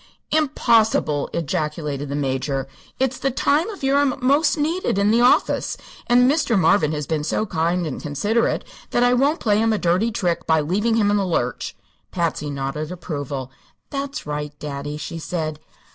"Impossible!" ejaculated the Major. "It's the time of year I'm most needed in the office, and Mr. Marvin has been so kind and considerate that I won't play him a dirty trick by leaving him in the lurch." Patsy nodded approval. "That's right, daddy," she said.